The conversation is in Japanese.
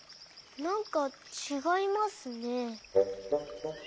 なんかちがいますね。